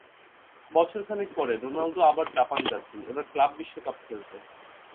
বছর খানেক পরে রোনালদো আবার জাপান যাচ্ছেন, এবার ক্লাব বিশ্বকাপ খেলতে।